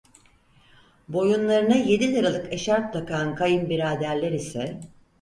Boyunlarına yedi liralık eşarp takan kayınbiraderler ise: